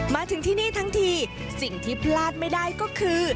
มาถึงที่นี่ทั้งทีสิ่งที่พลาดไม่ได้ก็คือ